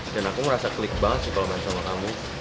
dan aku merasa klik banget sih kalo main sama kamu